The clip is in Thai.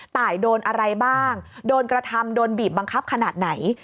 ตายโดนอะไรบ้างโดนกระทำโดนบีบบังคับขนาดไหน